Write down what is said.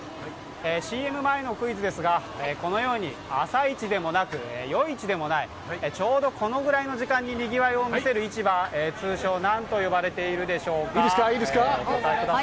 ＣＭ前のクイズですが、このように朝市でもない夜市でもない、ちょうどこのくらいの時間ににぎわいを見せる市場、通称なんと呼ばれているでしょうか、お答えください。